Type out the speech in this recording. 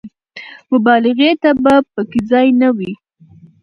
مبالغې ته به په کې ځای نه وي.